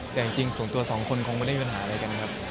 แต่จริงส่วนตัวสองคนคงไม่ได้มีปัญหาอะไรกันครับ